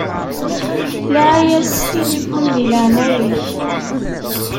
Laɛi-yas s tilifun di leɛnaya-k.